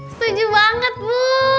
setuju banget bu